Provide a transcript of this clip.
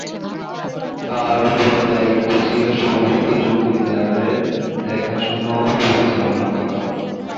তার উপর দায়িত্ব ছিল সমস্ত জমিদারদের দেখাশুনা ও পরিচালনা করা।